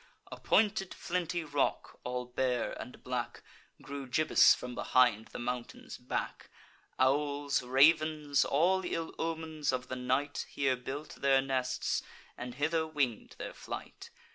A pointed flinty rock, all bare and black, Grew gibbous from behind the mountain's back; Owls, ravens, all ill omens of the night, Here built their nests, and hither wing'd their flight.